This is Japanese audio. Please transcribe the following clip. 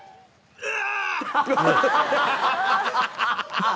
うわ！